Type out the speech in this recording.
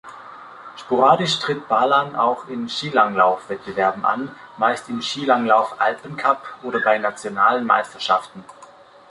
Sporadisch tritt Balan auch in Skilanglauf-Wettbewerben an, meist im Skilanglauf-Alpencup oder bei nationalen Meisterschaften.